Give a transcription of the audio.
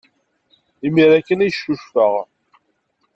Imir-a kan ay ccucfeɣ.